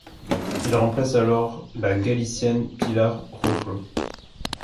Il remplace alors la galicienne Pilar Rojo.